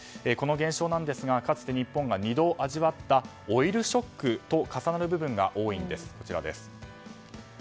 この現象なんですがかつて日本が２度味わったオイルショックと重なる部分が多いんです。